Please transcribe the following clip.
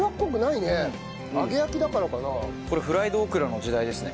フライドオクラの時代ですね